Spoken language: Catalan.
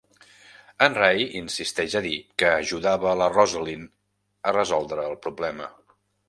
En Ray insisteix a dir que ajudava la Rosalyn a resoldre el problema.